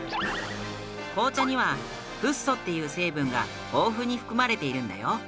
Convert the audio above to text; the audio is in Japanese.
紅茶にはフッ素っていう成分が豊富に含まれているんだよ。